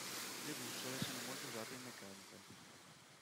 Le bussole sono molto usate in meccanica.